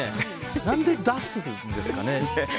何で出すんですかね。